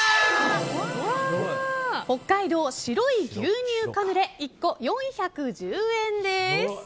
白い牛乳カヌレ１個４１０円です。